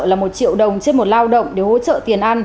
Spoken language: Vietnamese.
là một triệu đồng trên một lao động để hỗ trợ tiền ăn